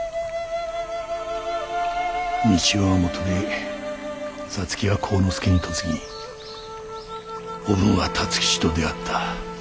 三千代がもとで皐月は晃之助に嫁ぎおぶんは辰吉と出会った。